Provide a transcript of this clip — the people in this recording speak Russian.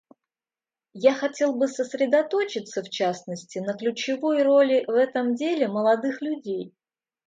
Я хотел бы сосредоточиться, в частности, на ключевой роли в этом деле молодых людей.